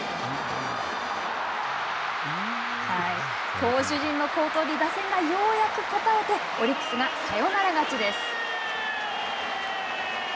投手陣の好投に打線がようやく応えてオリックスがサヨナラ勝ちです。